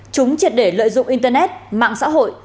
chúng triệt để lợi dụng internet mạng xã hội